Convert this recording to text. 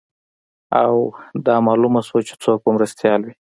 او دا معلومه شوه چې څوک به مرستیال وي